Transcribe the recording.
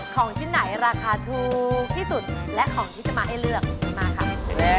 ของชิ้นไหนราคาถูกที่สุดและของที่จะมาให้เลือกมาครับ